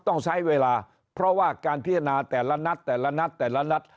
ต้องใช้เวลาเพราะว่าการพิจารณาแต่ละนัดแต่ละนัดแต่ละนัด